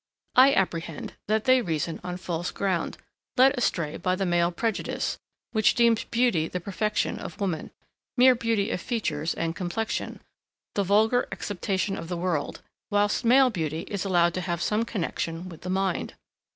I apprehend that they reason on false ground, led astray by the male prejudice, which deems beauty the perfection of woman mere beauty of features and complexion, the vulgar acceptation of the world, whilst male beauty is allowed to have some connexion with the mind.